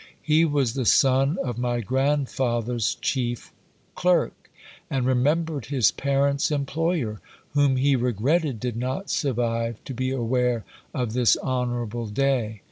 He was the son of my grandfather's chief clerk, and remembered his parent's employer; whom he regretted did not survive to be aware of this honourable day.